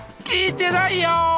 聞いてないよ！